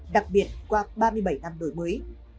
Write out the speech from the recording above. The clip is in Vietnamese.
đặc biệt qua ba mươi bảy năm đổi mới